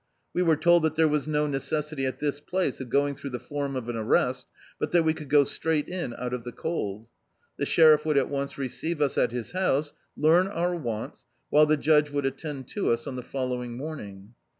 We were told that diere was no necessity at this place of going through the form of an arrest, but that we could go strai^t in out of the cold. The Sheriff would at Mice receive us at his house, learn our wants, while the judge would attend to us <Hi the following morning.